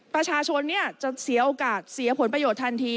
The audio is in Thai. ประชาชนจะเสียโอกาสเสียผลประโยชนทันที